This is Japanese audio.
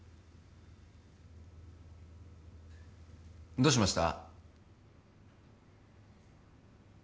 どうしました？